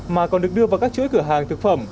mà còn được đưa vào các chuỗi cửa hàng thực phẩm